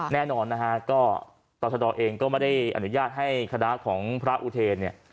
แน่นอนนะฮะก็ต่อชะดอเองก็ไม่ได้อนุญาตให้คณะของพระอุเทนเนี่ย